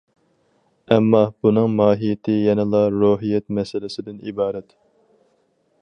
ئەمما، بۇنىڭ ماھىيىتى يەنىلا روھىيەت مەسىلىسىدىن ئىبارەت.